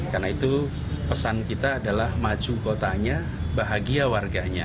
karena itu pesan kita adalah maju kotanya bahagia warganya